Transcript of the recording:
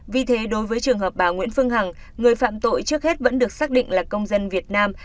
vì thế đối với trường hợp bà nguyễn phương hằng người phạm tội trước hết vẫn được xác định là công dân việt nam